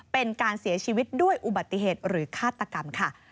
เป็นการเสียชีวิตด้วยอุบัติเหตุหรือฆาตกรรมค่ะ